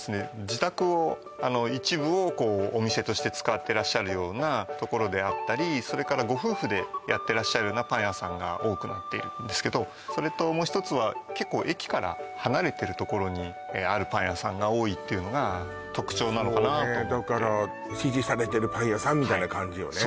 自宅を一部をお店として使ってらっしゃるようなところであったりそれからご夫婦でやってらっしゃるようなパン屋さんが多くなっているんですけどそれともう一つは結構駅から離れてるところにあるパン屋さんが多いっていうのが特徴なのかなと思ってだから支持されてるパン屋さんみたいな感じよね